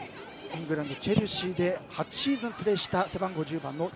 イングランドのチェルシーで８シーズンプレーしたチ・ソヨン。